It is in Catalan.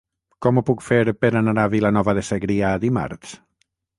Com ho puc fer per anar a Vilanova de Segrià dimarts?